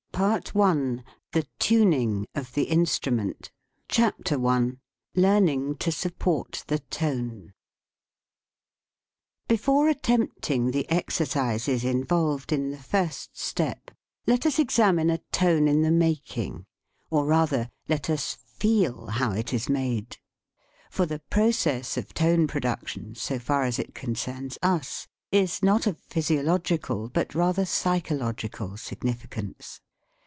PART I THE TUNING OF THE INSTRUMENT THE SPEAKING VOICE LEARNING TO SUPPORT THE TONE BEFORE attempting the exercises in volved in the first step, let us examine a tone in the making, or, rather, let us feel how it is made for the process of tone pro duction, so far as it concerns us, is not of physiological, but rather psychological, sig nificance.